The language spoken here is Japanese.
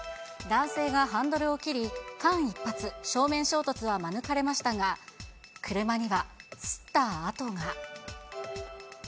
男性がハンドルを切り、間一髪、正面衝突は免れましたが、車にはすった跡が。